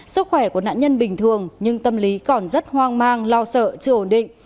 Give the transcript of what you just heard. sức khỏe của nạn nhân bình thường nhưng tâm lý còn rất hoang mang lo sợ chưa ổn định